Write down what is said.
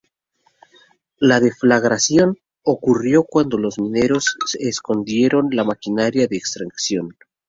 La deflagración ocurrió cuando los mineros encendieron la maquinaria de extracción.